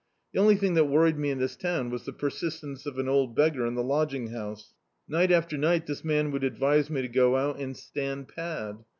The only thing that worried me in this town was the persistence of an old beggar in the lodging house. Night after night, this man would advise me to go out and stand pad.